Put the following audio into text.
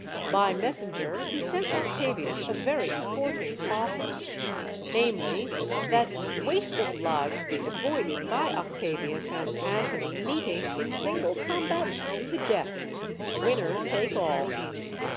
By messenger, he sent Octavius a very sporting offer: namely, that waste of lives be avoided by Octavius and Antony meeting in single combat, to the death; "winner take all."